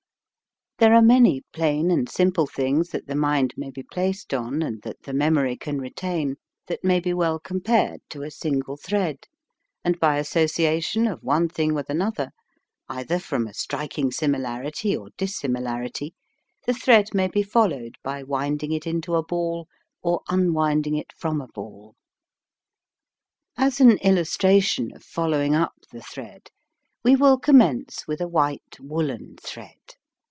There are many plain and simple things that the mind may be placed on, and that the memory can retain, that may be well compared to a single thread, and by association of one thing AND MOTION. 81 with another, either from a striking similarity or dissimilarity, the thread may be followed by winding it into a ball or unwinding it from a ball. As an illustration of following up the thread, we will commence with a white woolen thread.